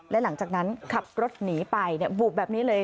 และหลังจากนั้นขับรถหนีไปบูบแบบนี้เลย